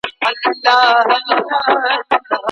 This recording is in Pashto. ایا مسلکي بڼوال شین ممیز پلوري؟